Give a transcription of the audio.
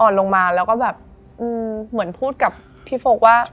อ่อนลงมาแล้วก็แบบเหมือนพูดกับพี่ฟ้มกลับว่า